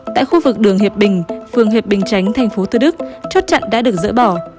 tại khu vực đường hiệp bình phường hiệp bình tránh tp tư đức chốt chặn đã được dỡ bỏ